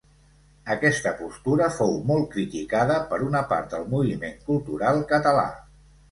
Aquesta postura fou molt criticada per una part del moviment cultural català.